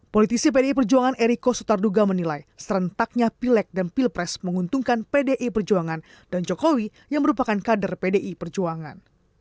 politisi pdi perjuangan eriko sutarduga menilai serentaknya pilek dan pilpres menguntungkan pdi perjuangan dan jokowi yang merupakan kader pdi perjuangan